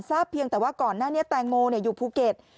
เพียงแต่ว่าก่อนหน้านี้แตงโมอยู่ภูเก็ต